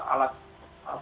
alat pelindung diri